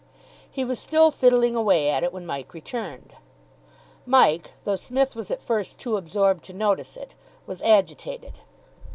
He was still fiddling away at it when Mike returned. Mike, though Psmith was at first too absorbed to notice it, was agitated.